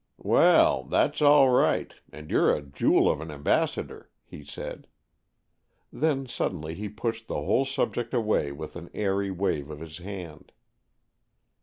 "Well, that's all right, and you're a jewel of an ambassador," he said. Then suddenly he pushed the whole subject away with an airy wave of his hand.